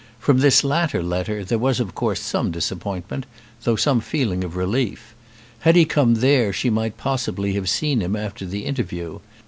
From this latter letter there was of course some disappointment, though some feeling of relief. Had he come there she might possibly have seen him after the interview.